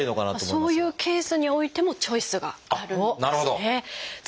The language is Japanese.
そういうケースにおいてもチョイスがあるんですね。